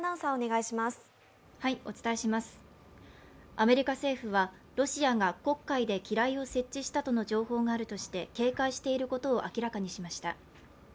アメリカ政府はロシアが黒海で機雷を設置したとの情報があるとして警戒していることを明らかにしました。